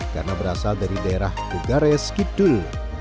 karena berasal dari daerah bogares kidul